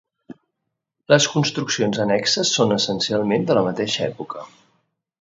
Les construccions annexes són essencialment de la mateixa època.